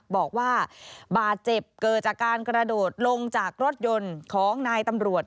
บอกว่าบาดเจ็บเกิดจากการกระโดดลงจากรถยนต์ของนายตำรวจ